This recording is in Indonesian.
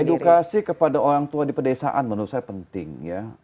edukasi kepada orang tua di pedesaan menurut saya penting ya